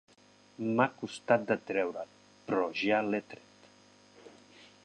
M'ha costat de treure-l, peró ja l'he tret